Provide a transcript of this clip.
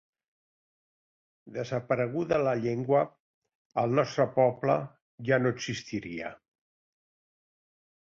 Desapareguda la llengua, el nostre poble ja no existiria.